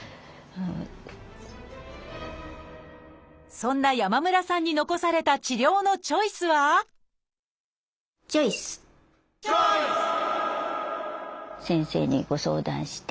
そんな山村さんに残された治療のチョイスはチョイス！って一体何？